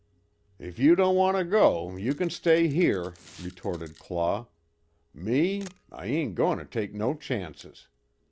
"If you don't want to go, you kin stay here," retorted Claw, "Me I ain't goin' to take no chances.